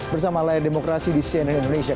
bersama layar demokrasi di cnn indonesia